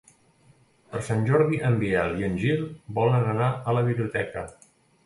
Per Sant Jordi en Biel i en Gil volen anar a la biblioteca.